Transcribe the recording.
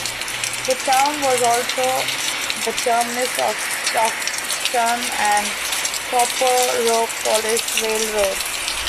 The town was also the terminus of the Stockton and Copperopolis Railroad.